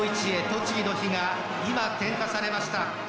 とちぎの火が今点火されました。